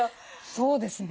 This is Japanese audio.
そうですね。